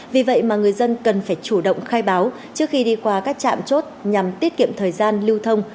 vì vậy mà người dân cần phải chủ động khai báo trước khi đi qua các trạm chốt nhằm tiết kiệm thời gian lưu thông